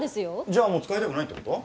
じゃあもう使いたくないってこと？